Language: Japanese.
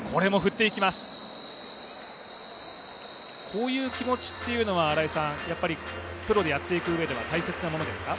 こういう気持ちというのはプロでやっていく上では大切なものですか？